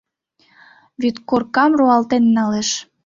Вӱдкоркам руалтен налеш.